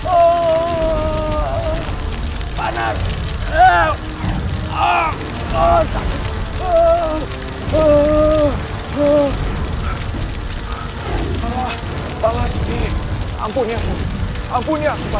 ampun ya aku ampun ya aku